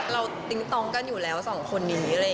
เราติ๊งตองกันอยู่แล้วสองคนนี้